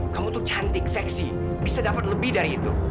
kamu tuh cantik seksi bisa dapat lebih dari itu